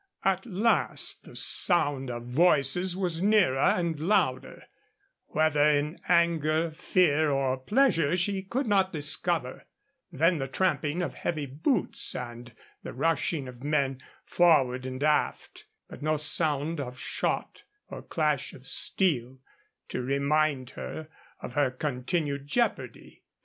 At last the sound of voices was nearer and louder, whether in anger, fear, or pleasure she could not discover; then the tramping of heavy boots and the rushing of men forward and aft; but no sound of shot or clash of steel, to remind her of her continued jeopardy.